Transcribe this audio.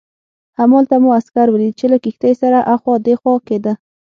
همالته مو عسکر ولید چې له کښتۍ سره اخوا دیخوا کېده.